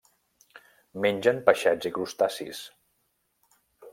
Mengen peixets i crustacis.